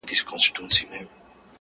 o يو زرو اوه واري مي ښكل كړلې.